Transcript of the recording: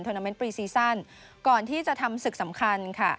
นาเมนต์ปรีซีซั่นก่อนที่จะทำศึกสำคัญค่ะ